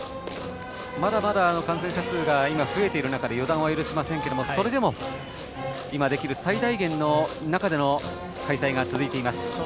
まだまだ感染者数が増えている中で予断は許しませんがそれでも今できる最大限の中での開催が続いています。